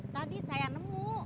tadi saya nemu